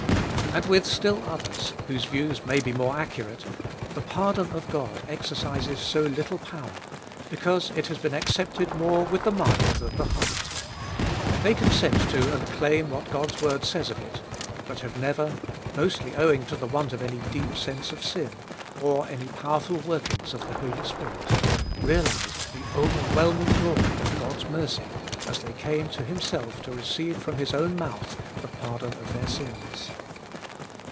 And with still others, whose views may be more accurate, the pardon of God exercises so little power, because it has been accepted more with the mind than the heart. They consent to and claim what God's word says of it; but have never, mostly owing to the want of any deep sense of sin, or any powerful workings of the Holy Spirit, realised the overwhelming glory of God's mercy as they came to Himself to receive from His own mouth the pardon of their sins.